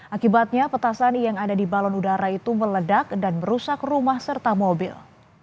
akibatnya petasan yang ada di balon udara itu meledak dan merusak rumah serta mobil